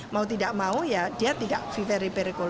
mau tidak mau dia tidak very very kolonial